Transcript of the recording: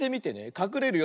かくれるよ。